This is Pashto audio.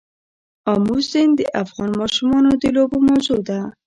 آمو سیند د افغان ماشومانو د لوبو موضوع ده.